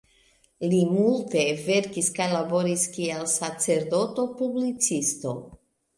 Li multe verkis kaj laboris kiel "sacerdoto-publicisto.